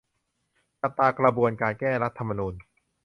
จับตากระบวนการ แก้รัฐธรรมนูญ